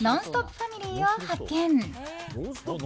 ファミリーを発見。